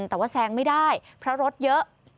แต่ว่าแซงไม่ได้เพราะรถเยอะ